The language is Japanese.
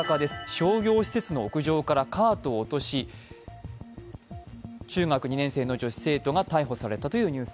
商業施設の屋上からカートを落とし中学２年生の女子生徒が逮捕されたというニュース。